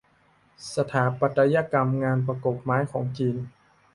สถาปัตยกรรมงานประกบไม้ของจีน